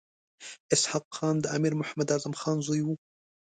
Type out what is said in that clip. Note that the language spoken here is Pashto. اسحق خان د امیر محمد اعظم خان زوی وو.